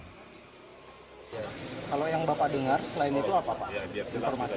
kalau yang bapak dengar selain itu apa pak